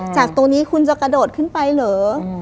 จากตัวนี้คุณจะกระโดดขึ้นไปเหรอ